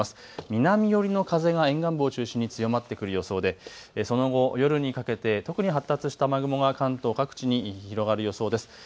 南寄りの風が沿岸部を中心に強まってくる予想で、その後、夜にかけて特に発達した雨雲が関東各地に広がる予想です。